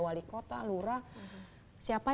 wali kota lurah siapa